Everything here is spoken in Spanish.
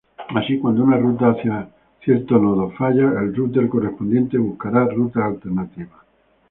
Así, cuando una ruta hacia cierto nodo falla, el router correspondiente buscará rutas alternativas.